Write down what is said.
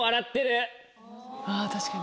あぁ確かに。